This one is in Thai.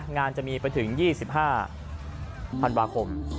งานจะมีไปถึง๒๕ธันวาคม